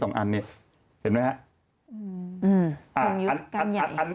อย่างนี้๒อันสิเห็นไหมค่ะ